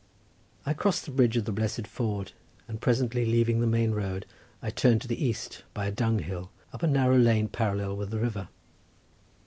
I crossed the Bridge of the Blessed Ford, and presently leaving the main road I turned to the east by a dung hill, up a narrow lane parallel with the river.